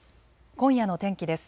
今夜の天気です。